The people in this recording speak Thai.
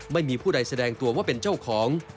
ไม่มีผู้ใดแสดงตัวว่าเป็นเจ้าของ